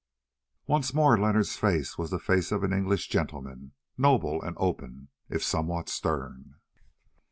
Once more Leonard's face was the face of an English gentleman, noble and open, if somewhat stern.